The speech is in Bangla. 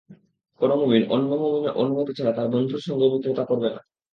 কোনো মুমিন অন্য মুমিনের অনুমতি ছাড়া তার বন্ধুর সঙ্গে মিত্রতা করবে না।